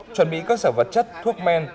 chuẩn bị cơ sở vật chất thuốc men